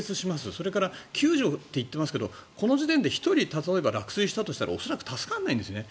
それから救助って言ってますけどこの時点で１人例えば落水したとしたら恐らく助からないんですね。